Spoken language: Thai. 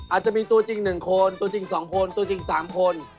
อาจจะมีตัวจริง๑คนตัวจริง๒คนตัวจริง๓คน